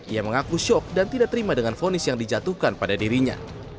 ia mengaku syok dan tidak terima dengan vonis yang dijatuhkan pada dirinya